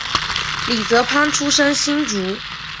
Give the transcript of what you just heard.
李泽藩出生新竹